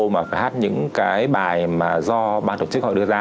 mà phải hát những cái bài mà do ban tổ chức họ đưa ra